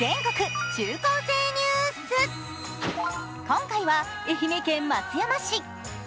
今回は愛媛県松山市。